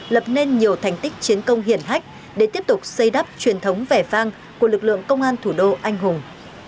lập nên nhiều thành tích chiến công hiển hách để tiếp tục xây đắp truyền thống vẻ vang của lực lượng công an thủ đô anh hùng